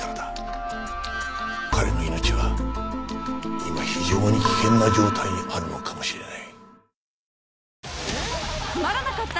彼の命は今非常に危険な状態にあるのかもしれない。